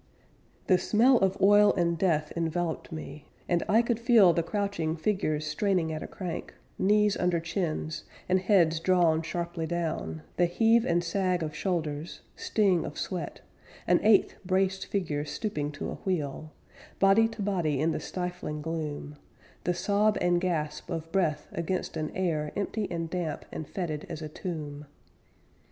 The smell of oil and death enveloped me, And I could feel The crouching figures straining at a crank, Knees under chins, and heads drawn sharply down, The heave and sag of shoulders, Sting of sweat; An eighth braced figure stooping to a wheel, Body to body in the stifling gloom, The sob and gasp of breath against an air Empty and damp and fetid as a tomb.